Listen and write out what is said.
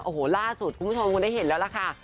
โอ้โหล่าสุดคุณผู้ชมคงได้เห็นแล้วล่ะค่ะ